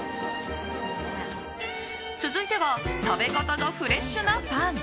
続いては食べ方がフレッシュなパン。